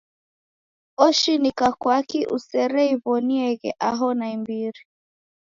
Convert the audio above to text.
Oshinika kwaki usereiw'onieghe aho naimbiri.